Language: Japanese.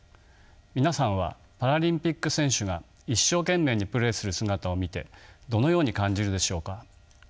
皆さんはパラリンピック選手が一生懸命にプレーする姿を見てどのように感じるでしょうか？